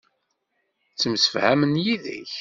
Ttemsefhamen yid-k.